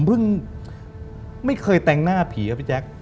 เพิ่งไม่เคยแต่งหน้าผีครับพี่แจ๊ค